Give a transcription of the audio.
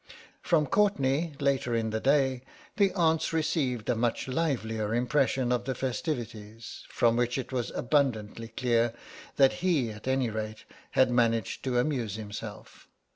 From Courtenay, later in the day, the aunts received a much livelier impression of the festivities, from which it was abundantly clear that he at any rate had managed to amuse himself.